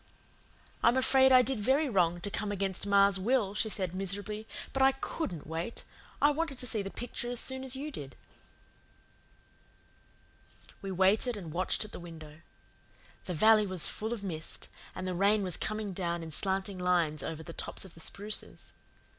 "I'm afraid I did very wrong to come against ma's will," she said miserably, "but I COULDN'T wait. I wanted to see the picture as soon as you did." We waited and watched at the window. The valley was full of mist, and the rain was coming down in slanting lines over the tops of the spruces.